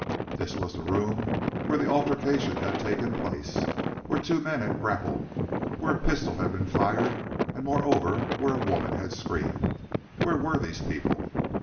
This was the room where the altercation had taken place, where two men had grappled, where a pistol had been fired, and moreover, where a woman had screamed. Where were these people?